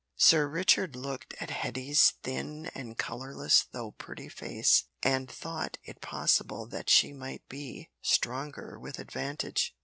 Sir Richard looked at Hetty's thin and colourless though pretty face, and thought it possible that she might be stronger with advantage.